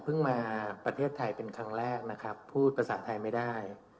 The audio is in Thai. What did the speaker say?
มาประเทศไทยเป็นครั้งแรกนะครับพูดภาษาไทยไม่ได้